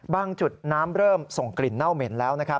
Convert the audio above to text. จุดน้ำเริ่มส่งกลิ่นเน่าเหม็นแล้ว